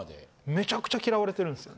めちゃくちゃ嫌われてるんですよ。